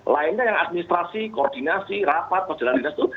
lainnya yang administrasi koordinasi rapat perjalanan dinas itu